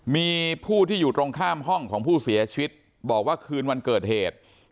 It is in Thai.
มีผู้ที่อยู่ตรงข้ามห้องของผู้เสียชีวิตบอกว่าคืนวันเกิดเหตุ